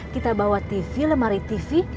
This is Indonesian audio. kita bawa tv lemari tv